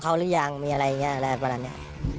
มีอะไรอย่างเงี้ยอะไรแบบนี้